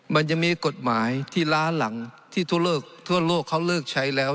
มันยังมีกฎหมายที่ล้าหลังที่ทั่วโลกเขาเลิกใช้แล้ว